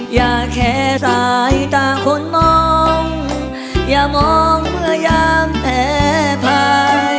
อย่าแค่ร้ายต่างคนมองอย่ามองเมื่อยามแพ้ภัย